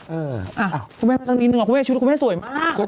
คุณแม่ตั้งนิดนึงคุณแม่ชุดคุณแม่สวยมาก